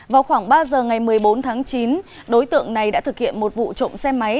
vào khoảng ba giờ ngày một mươi bốn tháng chín đối tượng này đã thực hiện một vụ trộm xe máy